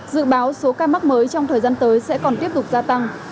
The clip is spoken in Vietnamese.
dự báo số ca mắc mới trong thời gian tới sẽ còn tiếp tục gia tăng